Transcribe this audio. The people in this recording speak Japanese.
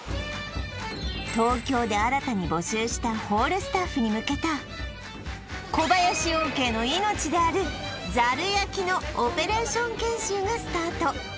東京で新たに募集したホールスタッフに向けた小林養鶏の命であるざる焼のオペレーション研修がスタート